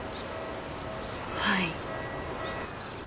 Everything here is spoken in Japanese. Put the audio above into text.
はい。